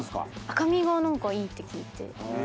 赤身が何かいいって聞いて。